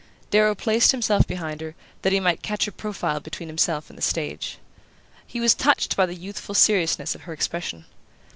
Darrow placed himself behind her, that he might catch her profile between himself and the stage. He was touched by the youthful seriousness of her expression.